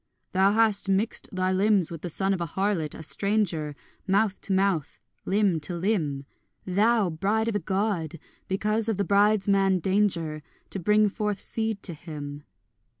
Thou hast mixed thy limbs with the son of a harlot, a stranger, Mouth to mouth, limb to limb, Thou, bride of a God, because of the bridesman Danger, To bring forth seed to him.